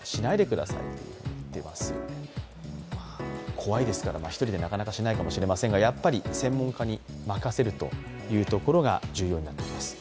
怖いですから１人でなかなかしないかもしれないですがやっぱり専門家に任せるというところが重要になってきます。